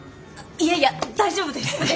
いやいや大丈夫です。